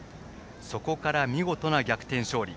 そこから見事な逆転勝利。